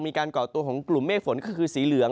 ก่อตัวของกลุ่มเมฆฝนก็คือสีเหลือง